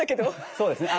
そうですね。